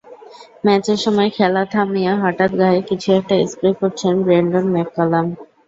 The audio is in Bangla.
ম্যাচের সময় খেলা থামিয়ে হঠাৎ গায়ে কিছু একটা স্প্রে করছেন ব্রেন্ডন ম্যাককালাম।